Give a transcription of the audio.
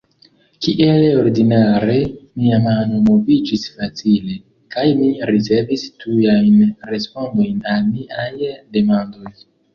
Kiel ordinare, mia mano moviĝis facile, kaj mi ricevis tujajn respondojn al niaj demandoj.